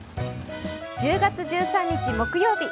１０月１３日木曜日。